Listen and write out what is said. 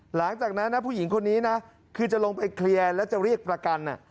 หลังจากนั้นนะผู้หญิงคนนี้นะคือจะลงไปเคลียร์แล้วจะเรียกประกัน